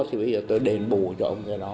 thì bây giờ tôi đền bù cho ông cái đó